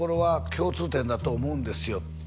「共通点だと思うんですよ」って